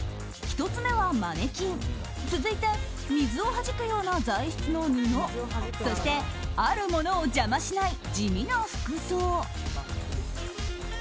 １つ目はマネキン続いて水をはじくような材質の布そして、あるものを邪魔しない地味な服装。